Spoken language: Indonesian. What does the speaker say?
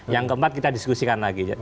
yang keempat kita diskusikan lagi